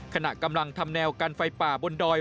ขณะกำลังทำแนวกันไฟป่าบนดอย